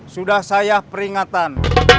sudah saya peringatan